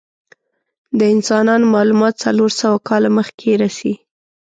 د انسانانو معلومات څلور سوه کاله مخکې رسی.